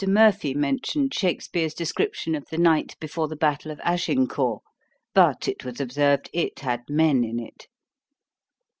Murphy mentioned Shakspeare's description of the night before the battle of Agincourt; but it was observed, it had men in it.